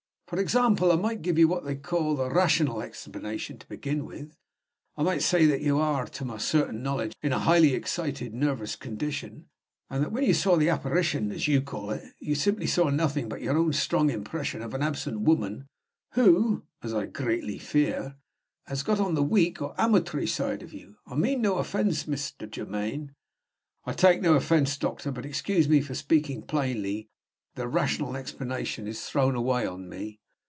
For example, I might give you what they call the rational explanation, to begin with. I might say that you are, to my certain knowledge, in a highly excited nervous condition; and that, when you saw the apparition (as you call it), you simply saw nothing but your own strong impression of an absent woman, who (as I greatly fear) has got on the weak or amatory side of you. I mean no offense, Mr. Germaine " "I take no offense, doctor. But excuse me for speaking plainly the rational explanation is thrown away on me."